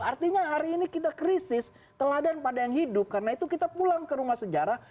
artinya hari ini kita krisis teladan pada yang hidup karena itu kita pulang ke rumah sejarah